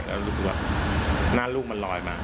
แล้วรู้สึกว่าหน้าลูกมันลอยมา